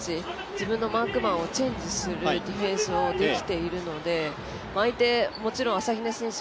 自分のマークマンをチェンジするディフェンスをできているので相手、もちろん朝比奈選手